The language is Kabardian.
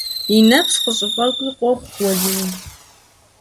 И нэпс къыщыфӀекӀуи къохъу Уэлий.